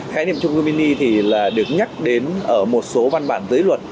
khái niệm trung cư mini thì là được nhắc đến ở một số văn bản giới luật